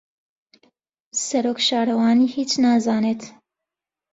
سەرۆک شارەوانی هیچ نازانێت.